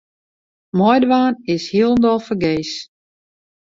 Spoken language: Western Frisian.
Meidwaan is hielendal fergees.